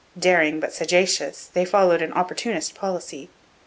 Daring but sagacious, they followed an opportunist policy.